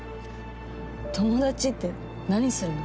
友達って何するの？